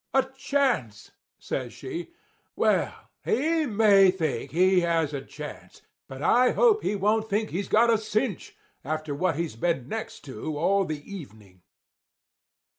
"'A chance!' says she. 'Well, he may think he has a chance; but I hope he won't think he's got a cinch, after what he's been next to all the evening.